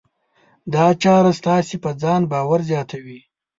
دا چاره ستاسې په ځان باور زیاتوي.